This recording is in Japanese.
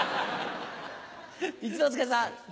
一之輔さん。